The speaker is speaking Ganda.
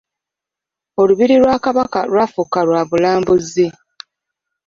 Olubiri lwa Kabaka lwafuuka lwa bya bulambuzi.